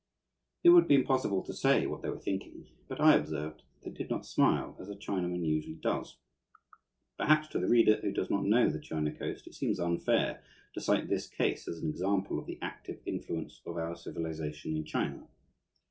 It would be impossible to say what they were thinking, but I observed that they did not smile as a Chinaman usually does. Perhaps, to the reader who does not know the China Coast, it seems unfair to cite this case as an example of the active influence of our civilization in China.